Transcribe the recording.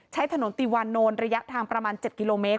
ใช้ถนนติวานนท์ระยะทางประมาณ๗กิโลเมตร